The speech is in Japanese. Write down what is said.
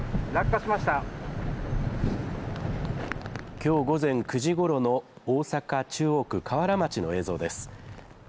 きょう午前９時ごろの大阪中央区瓦町の映像です。